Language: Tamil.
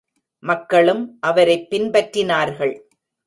மக்களும் அவரைப் பின்பற்றினார்கள்.